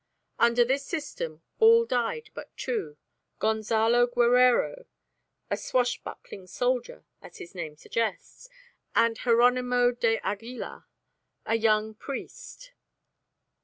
Under this system all died but two, Gonzalo Guerrero, a swash buckling soldier, as his name suggests, and Jeronimo de Aguilar, a young priest.